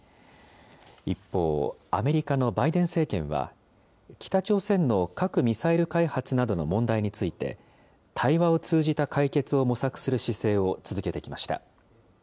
一方、アメリカのバイデン政権は、北朝鮮の核・ミサイル開発などの問題について、対話を通じた解決を模索する姿勢を続けてきました。